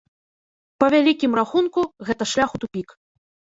Па вялікім рахунку, гэта шлях у тупік.